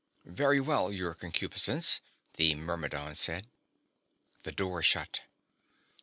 "Very well, Your Concupiscence," the Myrmidon said. The door shut.